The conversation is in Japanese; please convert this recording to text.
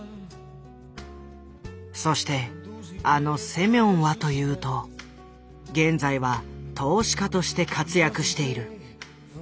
そしてあのセミョンはというと現在は投資家として活躍している。